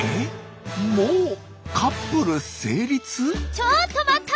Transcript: ちょっと待った！